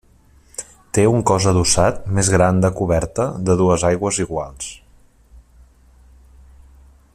Té un cos adossat més gran de coberta de dues aigües iguals.